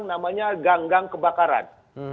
namanya gang gang kebakaran